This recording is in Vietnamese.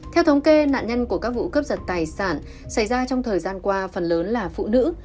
theo thống kê nạn nhân của các vụ cướp giật tài sản xảy ra trong thời gian qua phần lớn là phụ nữ